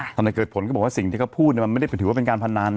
นายเกิดผลก็บอกว่าสิ่งที่เขาพูดมันไม่ได้ถือว่าเป็นการพนัน